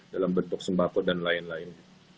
dalam bentuk sembako dan lain lain